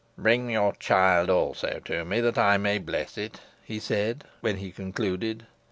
"Bring your child also to me, that I may bless it," he said, when he concluded.